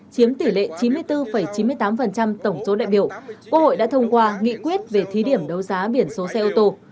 chiếm tỷ lệ chín mươi bốn chín mươi tám tổng số đại biểu quốc hội đã thông qua nghị quyết về thí điểm đấu giá biển số xe ô tô